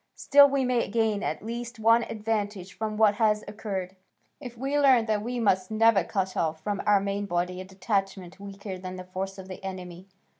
Still we may gain at least one advantage from what has occurred, if we learn that we must never cut off from our main body a detachment weaker than the force of the enemy.